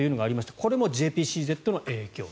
これもＪＰＣＺの影響。